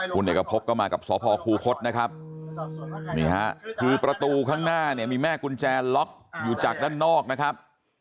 คุณเอกพบก็มากับสพคูคศนะครับนี่ฮะคือประตูข้างหน้าเนี่ยมีแม่กุญแจล็อกอยู่จากด้านนอกนะครับ